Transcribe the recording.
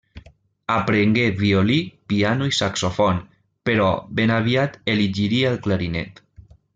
Aprengué violí, piano i saxofon, però ben aviat elegiria el clarinet.